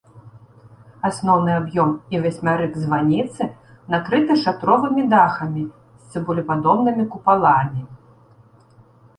Асноўны аб'ём і васьмярык званіцы накрыты шатровымі дахамі з цыбулепадобнымі купаламі.